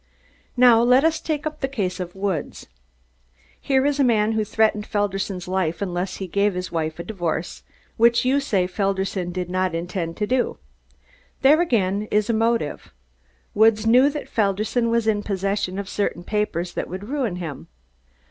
"Now let us take up the case of Woods. Here is a man who threatened Felderson's life unless he gave his wife a divorce, which you say Felderson did not intend to do. There, again, is a motive. Woods knew that Felderson was in possession of certain papers that would ruin him.